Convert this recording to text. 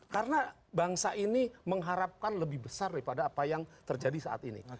karena bangsa ini mengharapkan lebih besar daripada apa yang terjadi saat ini